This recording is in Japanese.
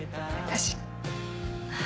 私。